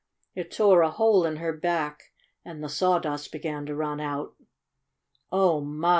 It tore a hole in her back and the sawdust began to run out. "Oh, my!"